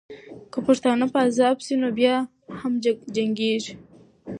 که پښتانه په عذاب سي، نو بیا هم جنګېږي.